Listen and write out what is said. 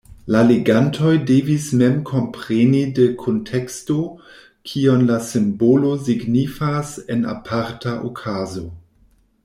La legantoj devis mem kompreni de kunteksto, kion la simbolo signifas en aparta okazo.